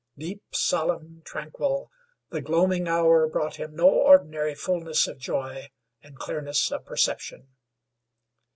Deep solemn, tranquil, the gloaming hour brought him no ordinary fullness of joy and clearness of perception.